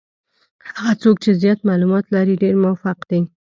هغه څوک چې زیات معلومات لري ډېر موفق دي.